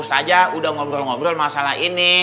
ustadz sama ustazah udah ngobrol ngobrol masalah ini